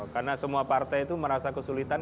karena semua partai itu merasa kesulitan